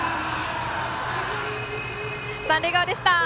三塁側でした。